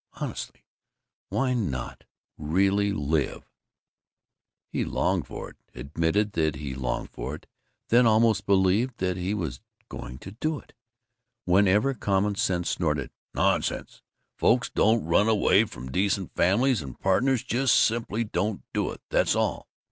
Honestly! Why not? Really live He longed for it, admitted that he longed for it, then almost believed that he was going to do it. Whenever common sense snorted, "Nonsense! Folks don't run away from decent families and partners; just simply don't do it, that's all!"